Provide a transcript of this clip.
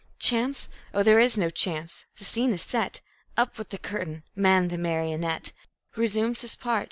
Chance! Oh, there is no chance! The scene is set. Up with the curtain! Man, the marionette, Resumes his part.